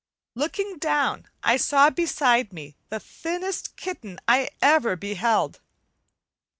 Looking down I saw beside me the thinnest kitten I ever beheld.